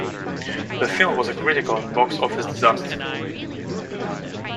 The film was a critical and box office disaster.